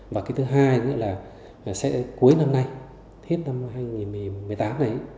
và cái thứ hai nữa là sẽ cuối năm nay hết năm hai nghìn một mươi tám này